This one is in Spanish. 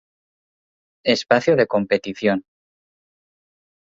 Espacio de competición.